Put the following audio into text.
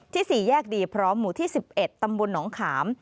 ที่สี่แยกดีพร้อมหมู่ที่สิบเอ็ดตำบลหนองขาม